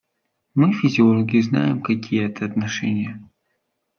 Мы, физиологи, знаем, какие это отношения.